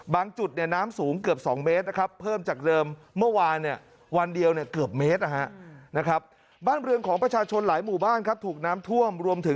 บางจุดน้ำสูงเกือบ๒เมตร